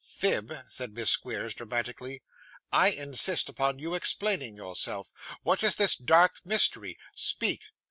'Phib,' said Miss Squeers dramatically, 'I insist upon your explaining yourself. What is this dark mystery? Speak.